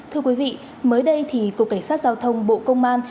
thưa quý vị mới đây thì cục cảnh sát giao thông bộ công an